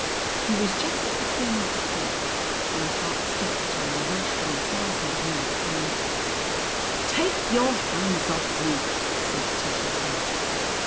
He was just at the corner of the porch. My heart stopped and then rushed on a thousand a minute. Then: "Take your hands off me!" said Tish's voice.